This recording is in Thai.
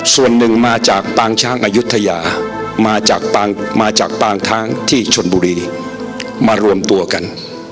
ส่วนหนึ่งมาจากปางช้างอายุทยามาจากมาจากปางช้างที่ชนบุรีมารวมตัวกัน